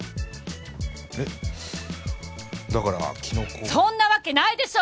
えっだからキノコそんなわけないでしょ！